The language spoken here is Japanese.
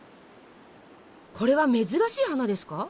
これは珍しい花ですか？